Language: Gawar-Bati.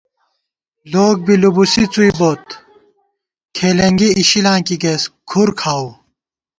لوگ بی لُبُوسی څُوئی بوت، کھېلېنگی اِشلاں کی گئیس، کُھر کھاؤو